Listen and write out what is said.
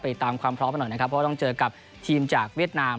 ตามความพร้อมมาหน่อยนะครับเพราะว่าต้องเจอกับทีมจากเวียดนาม